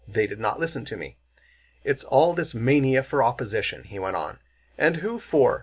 They did not listen to me. "It's all this mania for opposition," he went on. "And who for?